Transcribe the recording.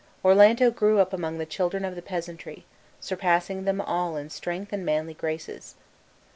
Orlando grew up among the children of the peasantry, surpassing them all in strength and manly graces.